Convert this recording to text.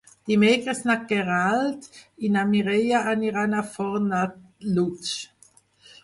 Dimecres na Queralt i na Mireia aniran a Fornalutx.